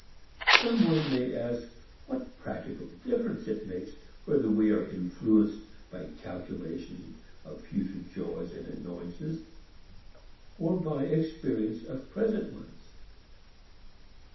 Some one may ask what practical difference it makes whether we are influenced by calculation of future joys and annoyances or by experience of present ones.